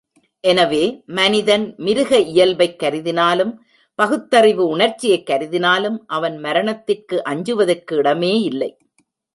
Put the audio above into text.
எனவே, மனிதன் மிருக இயல்பைக் கருதினாலும், பகுத்தறிவு உணர்ச்சியைக் கருதினாலும், அவன் மரணத்திற்கு அஞ்சுவதற்கு இடமேயில்லை.